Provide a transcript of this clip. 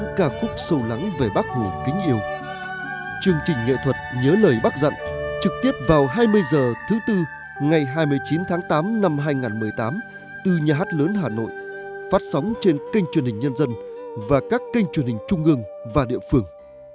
ngày hai mươi chín tháng tám năm hai nghìn một mươi tám từ nhà hát lớn hà nội phát sóng trên kênh truyền hình nhân dân và các kênh truyền hình trung ương và địa phương